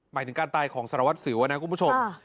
หมายถึงการตายของสรวจสิวนะครับคุณผู้ชม